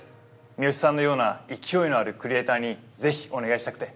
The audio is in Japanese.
三好さんのような勢いのあるクリエイターにぜひお願いしたくて。